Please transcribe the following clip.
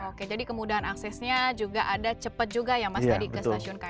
oke jadi kemudahan aksesnya juga ada cepat juga ya mas tadi ke stasiun krl